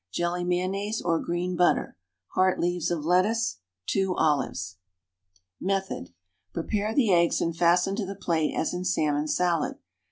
Jelly mayonnaise, or green butter. Heart leaves of lettuce. 2 olives. Method. Prepare the eggs and fasten to the plate as in salmon salad.